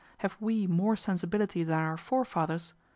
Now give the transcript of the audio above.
Have we more sensibility than our forefathers?